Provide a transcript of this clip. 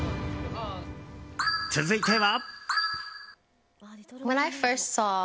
続いては。